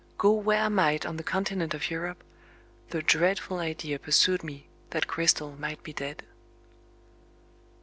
Go where I might on the continent of Europe, the dreadful idea pursued me that Cristel might be dead.